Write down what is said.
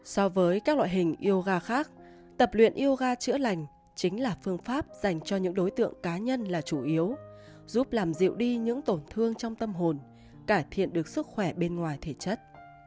so với các loại hình yoga khác tập luyện yoga chữa lành chính là phương pháp dành cho những đối tượng cá nhân là chủ yếu giúp làm dịu đi những tổn thương trong tâm hồn cải thiện được sức khỏe bên ngoài thể chất